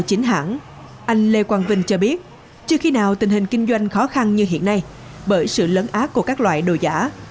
anh lê quang vinh cho biết chưa khi nào tình hình kinh doanh khó khăn như hiện nay bởi sự lấn át của các loại đồ giả